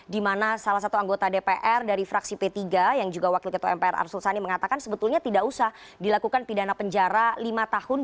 di mana salah satu anggota dpr dari fraksi p tiga yang juga wakil ketua mpr arsul sani mengatakan sebetulnya tidak usah dilakukan pidana penjara lima tahun